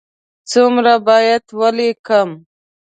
څومره باید ولیکم؟